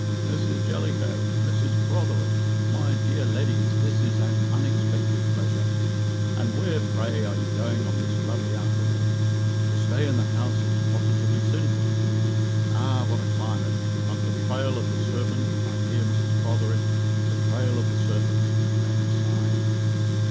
"Mrs. Jellicoe! Mrs. Protherick! My dear leddies, this is an unexpected pleasure! And where, pray, are you going on this lovely afternoon? To stay in the house is positively sinful. Ah! what a climate but the Trail of the Serpent, my dear Mrs. Protherick the Trail of the Serpent " and he sighed.